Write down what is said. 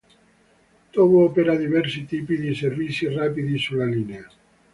Tōbu opera diversi tipi di servizi rapidi sulla linea.